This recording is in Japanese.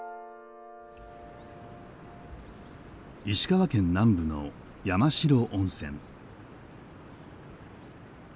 石川県南部の山代温泉。